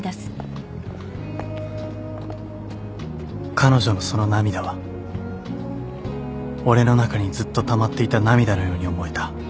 彼女のその涙は俺の中にずっとたまっていた涙のように思えた